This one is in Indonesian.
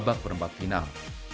babak perempat final